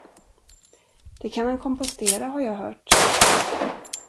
Det kan man kompostera, har jag hört.